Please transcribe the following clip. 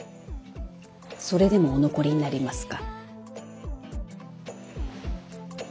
それでもお残りになりますか？